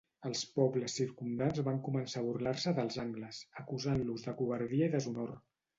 Els pobles circumdants van començar a burlar-se dels angles, acusant-los de covardia i deshonor.